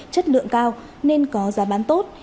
chất lượng cao nên có giá bán tốt